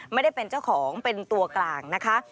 ไม่ได้เป็นเจ้าของเป็นตัวกลางนะคะ